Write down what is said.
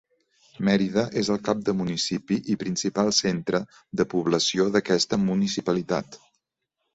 Mérida és el cap de municipi i principal centre de població d'aquesta municipalitat.